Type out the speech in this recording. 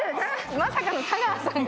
まさかの太川さんが。